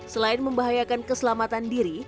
selain membahayakan keselamatan diri